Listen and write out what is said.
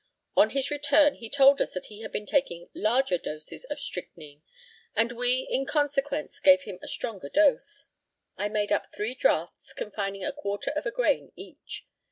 On his return he told us that he had been taking larger doses of strychnine, and we, in consequence, gave him a stronger dose. I made up three draughts, confining a quarter of a grain each.